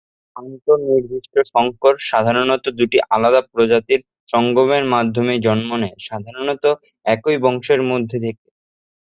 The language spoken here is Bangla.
আন্ত-নির্দিষ্ট সংকর সাধারণত দুটি আলাদা প্রজাতির সঙ্গমের মাধ্যমে জন্ম নেয়, সাধারণত একই বংশের মধ্যে থেকে।